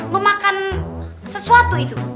memakan sesuatu itu